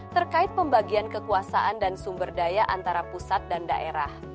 terkait pembagian kekuasaan dan sumber daya antara pusat dan daerah